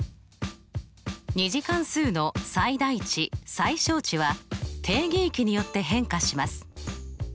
２次関数の最大値・最小値は定義域によって変化します。